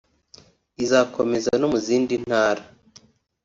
ikazakomeza no mu zindi Ntara